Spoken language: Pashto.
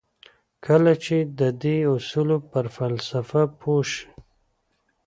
کله چې د دې اصولو پر فلسفه پوه شئ.